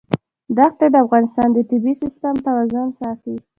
ښتې د افغانستان د طبعي سیسټم توازن ساتي.